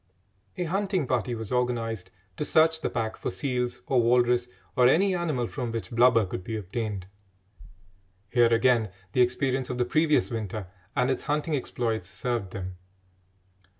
A hunting party was organised to search the pack for seals or walrus or any animal from which blubber could be obtained. Here again the experience of the previous winter and its hunting exploits served them.